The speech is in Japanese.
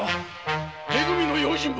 「め組」の用心棒！